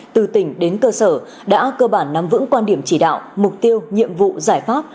từ tỉnh đến cơ sở đã cơ bản nắm vững quan điểm chỉ đạo mục tiêu nhiệm vụ giải pháp